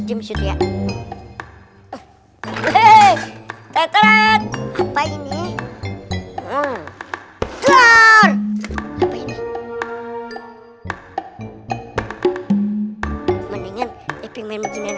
jam syut ya hehehe tret tret apa ini keluar apa ini mendingan ii ping main beginian